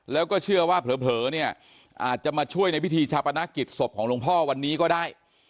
แล้วก็เชื่อว่าเผลอเนี่ยอาจจะมาช่วยในพิธีชาปนกิจศพของหลวงพ่อวันนี้ก็ได้